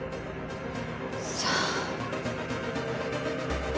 さあ。